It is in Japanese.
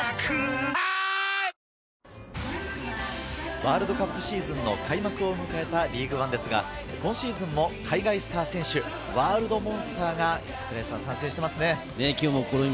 ワールドカップシーズンの開幕を迎えたリーグワンですが、今シーズンも海外スター選手、ワールドモンスターが参戦してますね。